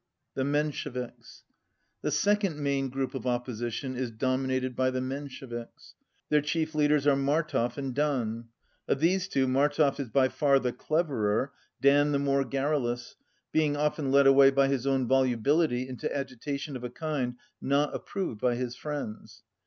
.hp 198 The Mensheviks The second main group of opposition is domi nated by the Mensheviks. Their chief leaders are Martov and Dan. Of these two, Martov is by far the cleverer, Dan the more garrulous, being often led away by his own volubility into agita tion of a kind not approved by his friends.